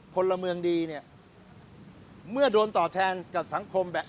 พลเมืองดีเนี่ยเมื่อโดนตอบแทนกับสังคมแบบ